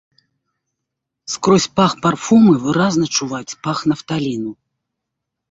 Скрозь пах парфумы выразна чуваць пах нафталіну.